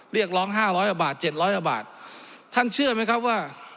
เรียกร้อง๕๐๐บาท๗๐๐บาทท่านเชื่อไหมครับว่า